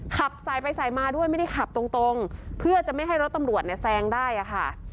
ขับสายไปสายมาด้วยไม่ได้ขับตรงตรงเพื่อจะไม่ให้รถตำรวจเนี่ยแซงได้อะค่ะ